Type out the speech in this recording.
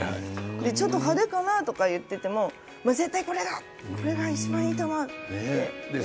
ちょっと派手かなと言っていても絶対にこれだこれが、いちばんいいと思うって。